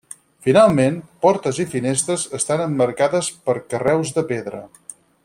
Finalment, portes i finestres estan emmarcades per carreus de pedra.